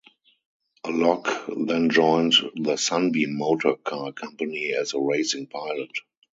Alcock then joined the Sunbeam Motor Car Company as a racing pilot.